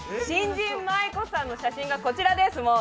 新人舞妓さんの写真がこちらです。